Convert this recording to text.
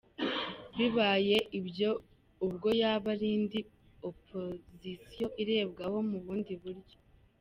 Bibaye ibyo ubwo yaba ari indi opozisiyo irebwaho mu bundi buryo.